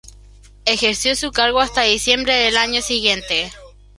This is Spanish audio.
Ejerció su cargo hasta diciembre del año siguiente.